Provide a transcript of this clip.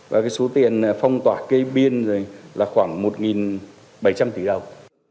và số tiền phong tỏa cây biên là khoảng một bảy trăm linh tỷ đồng